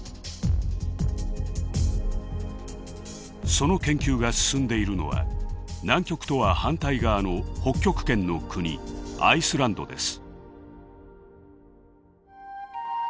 その研究が進んでいるのは南極とは反対側の北極圏の国アイスランドです。